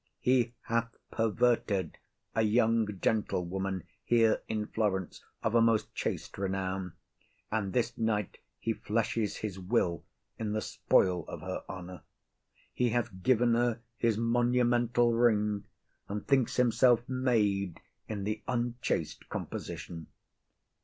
He hath perverted a young gentlewoman here in Florence, of a most chaste renown, and this night he fleshes his will in the spoil of her honour; he hath given her his monumental ring, and thinks himself made in the unchaste composition.